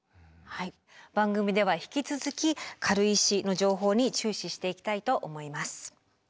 番組では引き続き軽石の情報に注視していきたいと思います。